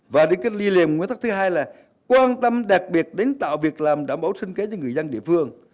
và cái lý liệu cái thắc thứ hai là quan tâm đặc biệt đến tạo việc làm đảm bảo sinh kế cho người dân địa phương